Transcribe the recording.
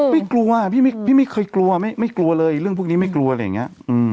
ไม่กลัวพี่ไม่เคยกลัวไม่กลัวเลยเรื่องพวกนี้ไม่กลัวอะไรอย่างนี้